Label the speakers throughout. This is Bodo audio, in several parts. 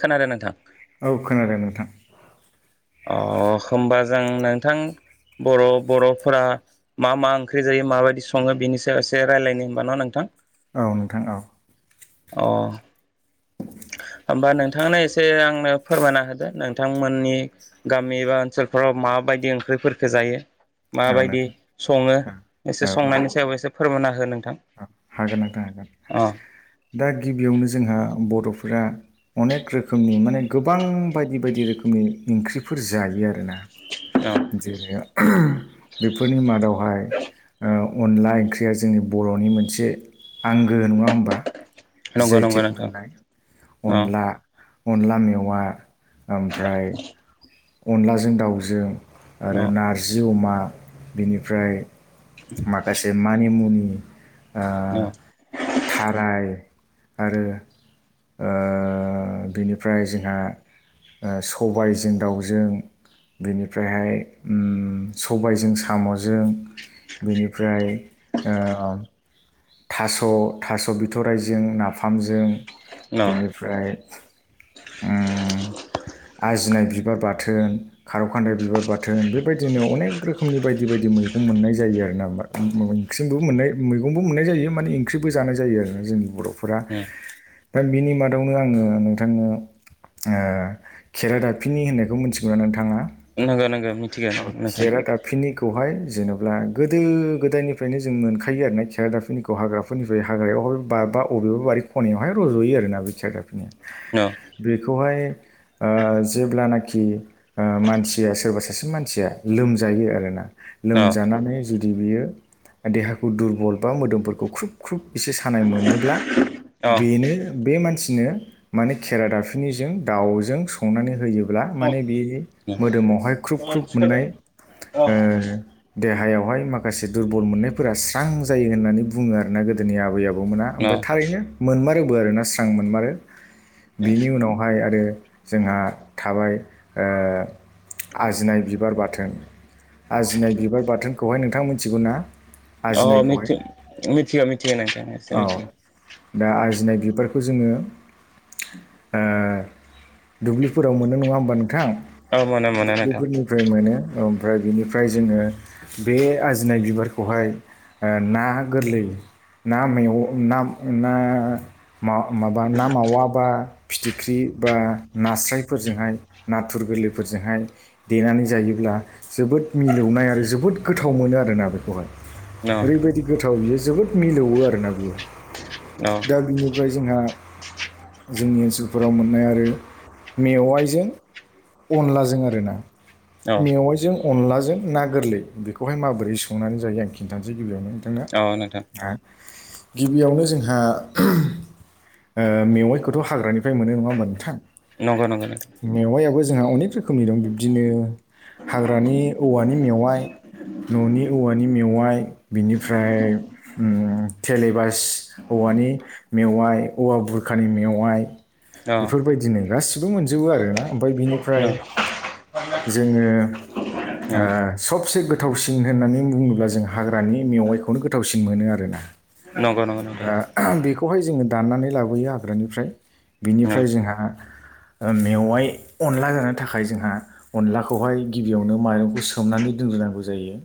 Speaker 1: खोनादों नोंथां
Speaker 2: औ खोनादों नोंथां।
Speaker 1: अ होमबा जों नोंथां बर' बर'फोरा मा मा ओंख्रि जायो माबायदि संङो बेनि सायाव एसे रायलायनि होमबा न नोंथां।
Speaker 2: औ नोंथां औ।
Speaker 1: अ होमबा नोंथांनो एसे आंनो फोरमायना होदो नोंथांमोननि गामि बा ओनसोलफोराव मा माबायदि ओंख्रिफोरखौ जायो?
Speaker 2: औ
Speaker 1: माबायदि
Speaker 2: नोंथां
Speaker 1: संङो एसे
Speaker 2: औ औ
Speaker 1: संनायनि सायावबो एसे फोरमायना हो। नोंथां
Speaker 2: हागोन नोंथां हागोन
Speaker 1: अ
Speaker 2: दा गिबियावनो जोंहा बर'फोरा अनेक रोखोमनि माने गोबां बायदि बायदि रोखोमनि ओंख्रिफोर जायो आरोना।
Speaker 1: अ
Speaker 2: जेरै बेफोरनि मादावहाय ओ अनला ओंख्रिया जोंनि बरनि मोनसे आंगो नंङा होमबा।
Speaker 1: नंगौ नंगौ
Speaker 2: जैथिक
Speaker 1: नोंथां
Speaker 2: मोननाय
Speaker 1: अ
Speaker 2: अनला अनला मेवा ओमफ्राय अनलाजों दाउजों
Speaker 1: अ
Speaker 2: आरो नारजि अमा बेनिफ्राय माखासे मानिमुनि ओ
Speaker 1: अ
Speaker 2: थाराय आरो ओ बिनिफ्राय जोंहा ओ सबायजों दाउजों बेनि ओमफ्रायहाय सबायजों सामजों। बेनिफ्राय ओ थास थास बिथरायजों नाफामजों
Speaker 1: अ
Speaker 2: बेनिफ्राय ओं आजिनाय बिबार बाथोन खार खान्दाय बिबार बाथोन बेबायदिनो अनेक रोखोमनि बायदि बायदि मैगं मोननाय जायो आरो ना। मोननाय मैगंबो मोननाय जायो माने ओंख्रिबो जानाय जायो आरो जोंनि बर'फोरा। दा बिनि मादावनो आङो नोंथांनो ओ खेरादाफिनि होननायखौ मिथिगौना नोंथाङा?
Speaker 1: नंगौ नंगौ मिथिगौ नोंथां
Speaker 2: खेरा दाफिनिखौहाय। जेनेबा गोदो गोदायनिफ्रायनो जों मोनखायो आरो ना खेरादाफोरनिखौ हाग्राफोरनिफ्राय हाग्रायावहाय बा बाब बारि खनायावहाय रज'यो आरोना बे खेरादाफिनिया।। बेखौहाय ओ जेब्लानाखि ओ मानसि सोरबा सासे मानसिया लोमजायो आरोना
Speaker 1: अ
Speaker 2: लोमजानानै जे जुदि बियो देहाखौ दुरबल बा मोदोमफोरखौ ख्रुब ख्रुब एसे सानाय मोनोब्ला।
Speaker 1: अ
Speaker 2: बेनो बे मानसि सिनो माने खेरा दाफनिजों दाउजों संनानै होयोब्ला माने बे
Speaker 1: अ
Speaker 2: मोदोमावहाय ख्रुब
Speaker 1: अ अ
Speaker 2: ख्रुब मोननाय ओ देहायाव हाय माखासे दुरबल मोननायफोरा स्रां जायो होननानै बुङो आरोना गोदोनि आबै आबौ मोना ओमफ्राय थारैनो मोनमारोबो आरोना स्रां मोनमारो बिनि उनावहाय आरो जोंहा थाबाय ओ आजिनाय बिबार बाथोन। आजिनाय बिबार बाथोनखौहाय नोंथाङा मिथिगौ ना?
Speaker 1: अ
Speaker 2: आजिनायखौहाय
Speaker 1: मिथि-मिथिया मिथिया नोंथां
Speaker 2: औ
Speaker 1: मिथिया
Speaker 2: दा आजिनाय बिबारखौ जोङो ओ दुब्लिफोराव मोनो नङा होमबा नोंथां,?
Speaker 1: औ मोनो मोनो नोंथां
Speaker 2: दुब्लिफोरनिफ्राय मोनो। ओमफ्राय बिनिफ्राय जोङो बे आजिनाय बिबारखौहाय ना गोरलै ना मेगं ना ना माबा ना मावा बा फिथिख्रि बा नास्रायफोरजोंहाय नाथुर गोरलैफोरजोंहाय देनानै जायोब्ला जोबोद मिलौनाय आरो जोबोद गोथाव मोनो आरोना बेखौहाय
Speaker 1: औ
Speaker 2: ओरैबायदि गोथाव बियो जोबोद मिलौवो आरोना बियो दा बिनिफ्राय जोंहा जोंनि ओनसोलफोराव मोननाय आरो मेवाइजों अनलाजों आरोना
Speaker 1: औ
Speaker 2: मेवाइजों अनलाजों ना गोरलै बेखौहाय माबोरै संनानै जायो आं खिन्थानोसै गिबियावनो बिदिनो
Speaker 1: औ नोंथां
Speaker 2: [unintelligible] गिबियावनो जोंहा ओ मेवाइखौथ हाग्रानिफ्राय मोनो नङा होमबा नोंथां
Speaker 1: नंगौ नंगौ नोंथां।
Speaker 2: मेवायाबो जोंहा अनेक रोखोमनि दं बिब्दिनो हाग्रानि औवानि मेवाइ न'नि औवानि मेवाइ बिनिफ्राय ओ थेलेबास औ औवानि मेवाइ औवा बुरखानि मेवाइ
Speaker 1: औ
Speaker 2: बेफोरबायदिनो गासिबो मोनजोबो आरोना ओमफ्राय बिनिफ्राय जोङो ओ
Speaker 1: नंगौ
Speaker 2: सबसे गोथ गोथावसिन होननानै बुङोब्ला जों हाग्रानि मेवाइखौनो गोथावसिन मोनो आरोना
Speaker 1: नंगौ नोंथां
Speaker 2: दा बेखौहाय जोङो दाननानै लाबोयो हाग्रानिफ्राय
Speaker 1: ओं
Speaker 2: बिनिफ्राय जोंहा ओ मेवाइ अनला जानो थाखाय जोंहा अनलाखौहाय गिबियावनो माइरंखौ सोमनानै दोनग्रोनांगौ जायो।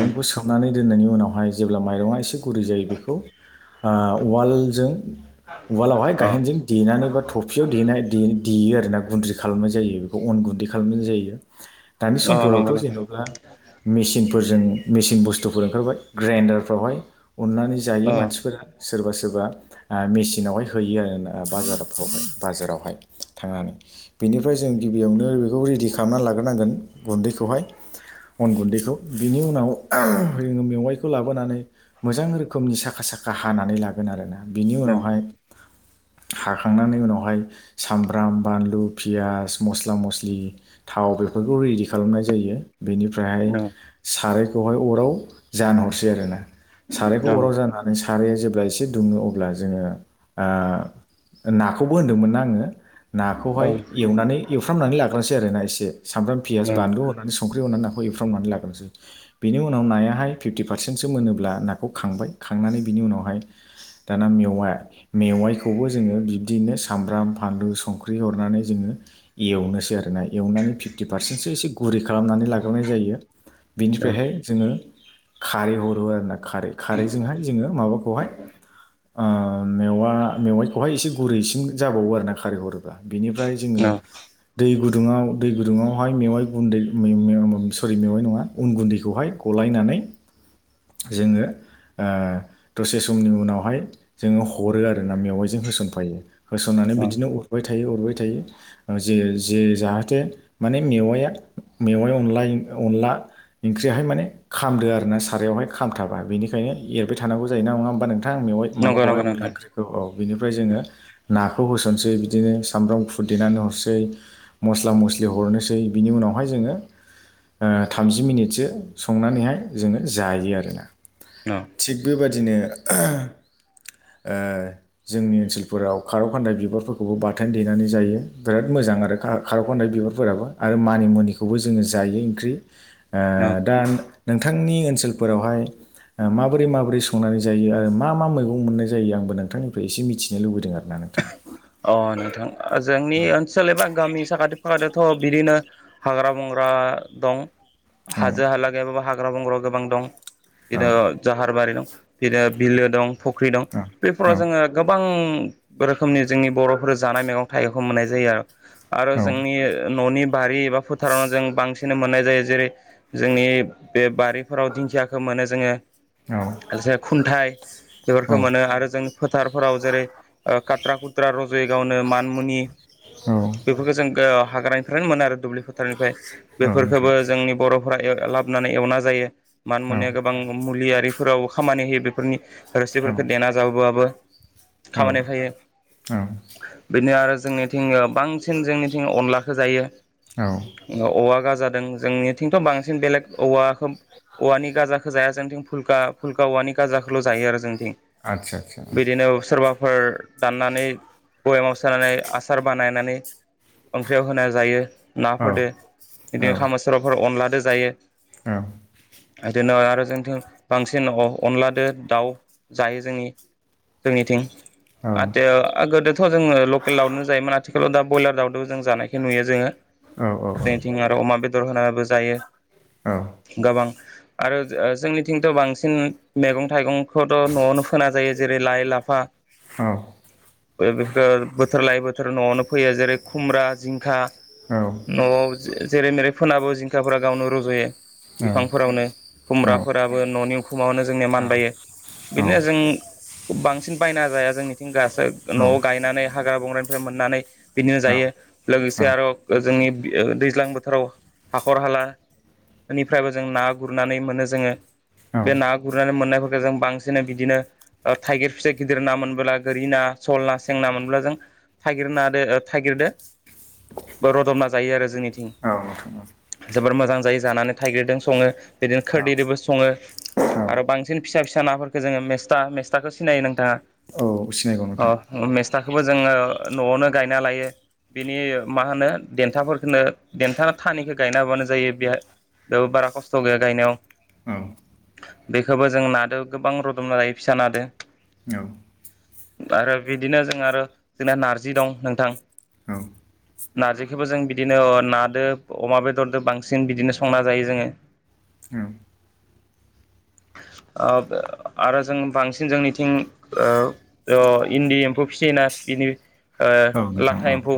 Speaker 1: ओं
Speaker 2: सोमनानै दोननायनि उनावहाय जेब्ला माइरङा एसे गुरै जायो बेखौ ओ उवालजों उवालावहाय
Speaker 1: अ
Speaker 2: गायेनजों देनानै बा थफियाव दे देयो आरोना गुन्द्रि खालामनाय जायो बेखौ अन गुन्दै खालामनाय जायो दानि
Speaker 1: अ
Speaker 2: समफोरावथ
Speaker 1: नंगौ नोंथां
Speaker 2: जेनबा मेसिनफोरजों मेसिन बुस्थुफोर ओंखारबाय ग्राइन्डारफ्रावहाय उननानै जायो
Speaker 1: अ
Speaker 2: मानसिफोरा सोरबा सोरबा मेचिनावहाय हैयो आरो ना बाजारफ्रावहाय बाजारावहाय थांनानै बेनिफ्राय जों गिबियावनो बेखौ रेडि खालामनानै लाग्रोनांगोन गुन्दैखौहाय अन गुन्दैखौ बिनि उनाव जोङो मेवाइखौ लाबोनानै मोजां रोखोमनि साखा साख खा हानानै लागोन आरोना बिनि
Speaker 1: औ
Speaker 2: उनावहाय हाखांनानै उनावहाय सामब्राम बानलु पियास मस्ला मस्लि लि थाव बेफोरखौ रेडि खालामनाय जायो बेनिफ्रायहाय
Speaker 1: औ
Speaker 2: सारायखौहाय अराव जानहरसै आरोना सारायखौ अराव जाननानै साराया जेब्ला एसे दुङो अब्ला जोङो नाखौबो होनदोंमोन ना आङो नाखौहाय एवनानै एवफ्रामनानै लाग ग्रोनसै आरो ना एसे साम्ब्राम पेयाज
Speaker 1: औ
Speaker 2: बानलु होनानै संख्रि होनानै नाखौ एवफ्रामनानै लाग्रोसै बेनि उनाव नाया हाय फिपति पारसेन्टसो मोनोब्ला नाखौ खांबाय खांनानै बिनि उनावहाय दाना मेवाइ मेवाइखौबो जोङो बिब्दिनो सामब्राम फानलु संख्रि हरनानै जोङो एवनोसै आरोना एवनानै फिफ्टि पारसेन्टसो एसे गुरै खालामनानै लाग्रोनाय जायो। बिनिफ्रायहाय जोङो खारै हरो आरो ना खारै खारैजोंहाय जोङो माबाखौहाय मेवा मेवाइखौहाय एसे गुरैसिम जाबावो आरोना खारै हरोबा बेनिफ्राय
Speaker 1: औ
Speaker 2: जोङो
Speaker 1: औ
Speaker 2: दै गुदुङाव दै गुदुङावहाय मेवाइ गुन्दै मेव-मेव सरि मेवाइ नङा अन गुन्दैखौहाय गलायना नै जोङो। दसे समनि उनावहाय जोङो हरो आरोना मेवाइजों होसनफायो होसननानै माने
Speaker 1: औ
Speaker 2: बिदिनो अरबाय थायो अरबाय थायो जे जे जाहाथे माने मेवआइआ मेवाइ अनलाय अनला ओंख्रियाहाय माने खामदो आरोना सारायावहाय खामथाबा बेनिखायनो एरबाय थानांगौ जायो ना नङा होमबा नोंथा। थां मेवाइ
Speaker 1: नंगौ
Speaker 2: माबाखौहाय
Speaker 1: नंगौ
Speaker 2: अनला
Speaker 1: नोंथां
Speaker 2: ओंख्रिखौ औ बेनिफ्राय जोङो नाख खौ होसनसै बिदिनो सामब्राम गफुर देनानै हरसै मस्ला मस्लि हरनोसै बिनि उनावहाय जोङो थामजि मिनिटसो संनानैहाय जोङो जायो आरोना।
Speaker 1: औ
Speaker 2: थिग बेबादिनो जोंनि ओनसोलफोराव खारौ खान्दाय बिबारफोरखौबो बथोन देनानै जायो बिराद मोजां आरो खार' खानदाय बिबारफोराबो आरो मानिमुनिखौबो जोङो जायो ओंख्रि
Speaker 1: औ
Speaker 2: दा नोंथांनि ओनसोलफोरावहाय माबोरै माबोरै संनानै जायो आरो मा मा मैगं मोननाय जायो आंबो नोंथांनिफ्राय एसे मिथिनो लुबैदों आरोना? नोंथां ।
Speaker 1: अ नोंथां जोंनि ओनसोल एबा गामि साखाथि फाखाथियाव थ' बिदिनो हाग्रा बंग्रा दं
Speaker 2: औ
Speaker 1: हाजो हाला गैयाबाबो हा हाग्रा बंग्रा गोबां दं
Speaker 2: औ
Speaker 1: बिदिनो जाहारबारि दं बिदिनो बिलो दं। फख्रि दं
Speaker 2: औ
Speaker 1: बेफोराव जोङो गोबां रोखोमनि जोंनि बर'फोर जानाय मैगं थाइगंखौ मोननाय जायो आरो आरो जोंनि न'नि बारि एबा फोथाराव जों बांसिन मोननाय जायो जेरै जोंनि बे बारिफोराव दिंखियाखौ मोनो जोङो।
Speaker 2: औ
Speaker 1: खुन्थाइ
Speaker 2: औ
Speaker 1: बेफोरखौ मोनो आरो जों फोथारफोराव जेरै खाथ्रा खुथ्रा रजयो गावनो मानमुनि बेफोरखौ जों हाग्रानिफ्रायनो मोनो आरो दुब्लि फोथारनिफ्राय
Speaker 2: औ
Speaker 1: बेफोरखौबो
Speaker 2: नोंथां
Speaker 1: जोंनि बर' फ्रा लाबोनानै एवना जायो
Speaker 2: औ
Speaker 1: मानमुनिया गोबां मुलियारिफोराव खामानि होयो बेफोरनि रोसिफोरखौ देना जाबोबाबो खामानियाव फैयो
Speaker 2: आव।
Speaker 1: बिनो आरो जोंनिथिं बांसिन जोंनिथिं अनलाखौ जायो
Speaker 2: औ
Speaker 1: औवा गाजार जोंनिथिंथ' बांसिन बेलेग औवाखौ औवानि गाजाखौ जाया जोंथिं । फुलका फुलका औवानि गाजाखौल' जायो आरो जोंं
Speaker 2: आदसा आदसा
Speaker 1: बिदिनो सोरबाफोर दाननानै बयेमाव सोनानै आसार बानायनानै ओंख्रियाव होनाय जायो।
Speaker 2: औ
Speaker 1: नाफोरदो बिदिनो खामा
Speaker 2: औ
Speaker 1: सर'फोर अनलादो जायो।
Speaker 2: औ।
Speaker 1: हेदिनो आरो जोंथिं बांसिन अनलादो दाउ जायो जोंनि जोंनिथिं
Speaker 2: औ
Speaker 1: आतदो बेथ' जो लकेल दाउनो जायोमोन । आथिखालाव दा बयलार दावदो जों जानायखौ नुयो जोङो। बेथिं आरो अमा बेदर होनाबो जायो गोबां आरो जोंनिथिंथ' बांसिन मेगं थाइगं खौथ' न'आवनो फोना जायो जेरै लाइ लाफा बे बेफोर बोथोर लायै बोथोर न'आवनो फैयो जेरै खुमब्रा जिंखा न'आव जेरै मेरै फोनाबो जिंखाफोरा गावनो रज'यो। बिफांफोरावनो खुमब्राफोराबो न'नि उखुमावनो जोंनिया मानबायो बिदिनो जों बांसिन बायना जाया जोंनिथिं गासोब न'आव गायनानै हाग्रा बंग्रानिफ्राय मोननानै बिदिनो जायो लोगोसे आरो जोंनि दैज्लां बोथोराव हाखर हाला एनिफ्रायबो जों ना गुरनानै मोनो जोङो। बे ना गुरनानै मोननायफोरखो जों बांसिन बिदिनो ओ थाइगिर फिथाइ गिदिर ना मोनबोला गोरि ना सल ना सेंना मोनब्ला जों थाइगिरनादो थाइगिरदो रदबना जायो आरो जोंनिथिं। जोबोर मोजां जायो जानानै थाइगिरदों सङो बिदिनो खोरदैदोबो सङो आरो बांसिन फिसा फिसा नाफोरखो जोङो मेस्था मेस्थाखो सिनायो नोंथाङा।
Speaker 2: औ सिनायगौ नोंथां।
Speaker 1: थाखोबो जोङो न'आवनो गायना लायो। बेनि मा होनो देन्थाफोरखोनो देन्था थानिखो गायना हाबानो जायो बेयाय बेयाव बारा खस्थ' गैया गायनायाव। बेखोबो जों नादो गोबां रदबना जायो फिसा नादो। आरो बिदिनो जों आरो जोंना नारजि दं नोंथां। नारजिखोबो जों बिदिनो नादो अमा बेदरदो बांसिन बिदिनो संना जायो जोङो।
Speaker 2: औ
Speaker 1: ओब आरो जों बांसिन जोंनिथिं ओ अ इन्दि एम्फौ फिसियोना इनि ओ लाथा
Speaker 2: औ
Speaker 1: एम्फौ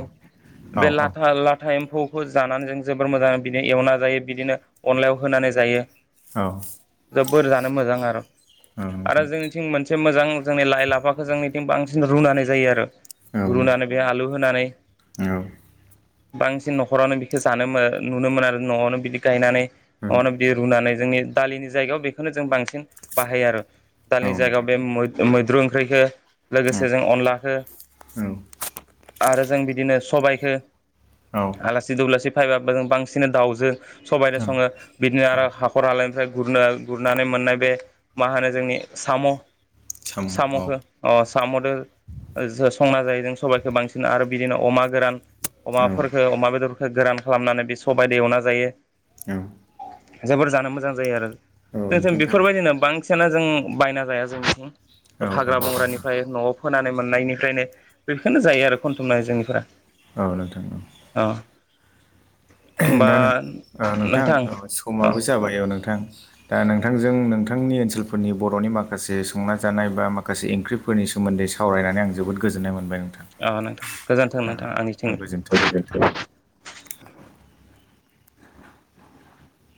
Speaker 2: औ
Speaker 1: बे लाथा
Speaker 2: औ
Speaker 1: ला था एम्फौखो जानानै जों जोबोर मोजां बिनो एवना जायो बिदिनो अनलायाव होनानै जायो।
Speaker 2: औ
Speaker 1: जोबोर जानो मोजां आरो। आरो
Speaker 2: नोंथां
Speaker 1: जोंनिथिं
Speaker 2: औ
Speaker 1: मोनसे मोजां जोंनि लाइ लाफा जोंनिथिं बांसिन रुनानै जायो आरो
Speaker 2: औ औ नोंथां औ
Speaker 1: रुनानै
Speaker 2: नोंथां
Speaker 1: बेयाय आलु होनानै
Speaker 2: औ
Speaker 1: [inaudible] बांसिन न'खरावनो बिखो जानो मो नुनो मोनो आरो न'आवनो बिदि गायनानै न'आवनो बिदि रुनानै जोंनि दालिनि जायगायाव बेखोनो जों बांसिन बाहायो आरो
Speaker 2: औ
Speaker 1: दालिनि जायगायाव
Speaker 2: नोंथां
Speaker 1: बे मै-मैद्रु ओंख्रैखो लोगोसे जों अनलाखो आरो जों बिदिनो सबायखो
Speaker 2: औ औ
Speaker 1: आलासि दुलासि फायबाबो जों बांसिन दाउजो सबाइदो सङो बिदिनो आरो हाखर हालाय फ्रा गुरनो गुरनानै मोननाय बे मा होनो जोंनि साम'
Speaker 2: साम औ
Speaker 1: साम'खौ अ साम'दो ओ जो संना जायो जों सबाइखौ बांसिन आरो बिदिनो अमा गोरान
Speaker 2: औ
Speaker 1: अमाफोरखो
Speaker 2: औ
Speaker 1: अमा बेदरखो गोरान खालामनानै बे सबायदो एवना जायो। जोबोर जानो मोजां जायो आरो।
Speaker 2: औ
Speaker 1: जों जों
Speaker 2: नोंथां थारैनो
Speaker 1: बेफोरबायदिनो बांसिना जों बायना जाया जों
Speaker 2: औ
Speaker 1: हाग्रा
Speaker 2: नोंथां
Speaker 1: बंग्रानिफ्राय न'आव फोनानै मोननायनिफ्रायनो बेखोनो जायो आरो खनथुमनानै जोंनिफोरा
Speaker 2: नंगौ।
Speaker 1: अ होमबा
Speaker 2: दा नों ओ नोंथां औ
Speaker 1: अ
Speaker 2: समाबो जाबाय औ नोंथां। दा नोंथांजों नोंथांनि ओनसोलफोरनि बर'नि माखासे संना जानाय बा माखासे ओंख्रिफोरनि सो सोमोन्दै सावरायनानै आं जोबोद गोजोननाय मोनबाय नोंथां
Speaker 1: अ नोंथां गोजोन्थों
Speaker 2: औ,
Speaker 1: नोंथां आंनिथिं
Speaker 2: गोजोन्थों नोंथां